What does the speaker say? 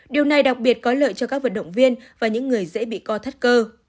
điều này đặc biệt có lợi cho các vận động viên và những người dễ bị co thắt cơ